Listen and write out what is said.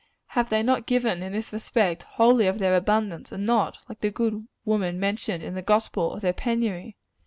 Have they not given, in this respect, wholly of their abundance and not, like the good woman mentioned in the gospel, of their penury?